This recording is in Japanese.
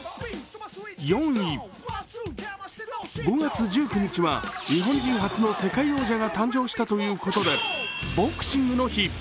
５月１９日は日本人初の世界王者が誕生したということでボクシングの日。